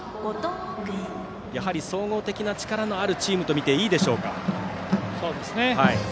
やはり総合的な力のあるチームと見て、いいでしょうか。